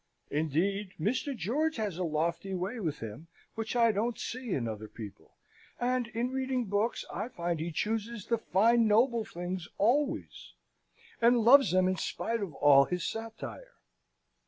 Indeed, Mr. George has a lofty way with him, which I don't see in other people; and, in reading books, I find he chooses the fine noble things always, and loves them in spite of all his satire.